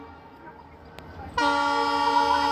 چي يې غړي تښتول د رستمانو.